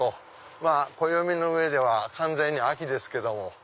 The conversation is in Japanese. まぁ暦の上では完全に秋ですけども。